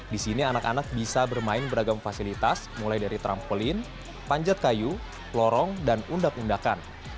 di sini anak anak bisa bermain beragam fasilitas mulai dari trampolin panjat kayu lorong dan undak undakan